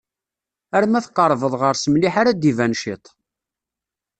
Arma tqerrbeḍ ɣer-s mliḥ ara d-iban ciṭ.